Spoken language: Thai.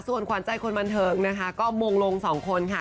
ส่วนขวานใจคนบันเทิงนะคะก็มงลงสองคนค่ะ